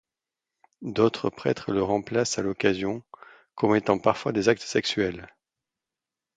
D’autres prêtres le remplacent à l’occasion, commettant parfois des actes sexuels.